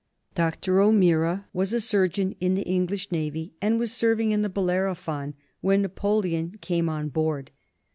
Dr. O'Meara was a surgeon in the English navy, and was serving in the Bellerophon when Napoleon came on board.